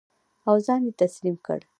او ځان یې تسلیم کړ.